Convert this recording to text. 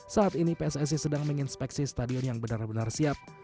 saat ini pssi sedang menginspeksi stadion yang benar benar siap